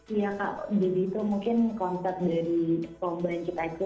iya kak jadi itu mungkin konsep dari lomba kita itu